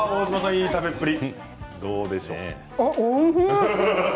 いい食べっぷり。